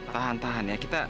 tahan tahan ya